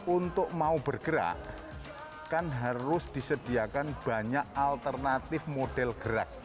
untuk mau bergerak kan harus disediakan banyak alternatif model gerak